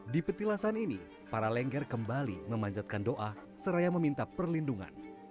di petilasan ini para lengger kembali memanjatkan doa seraya meminta perlindungan